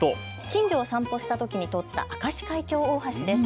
近所を散歩したときに撮った明石海峡大橋です。